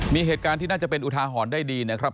มีเหตุการณ์ที่น่าจะเป็นอุทาหรณ์ได้ดีนะครับ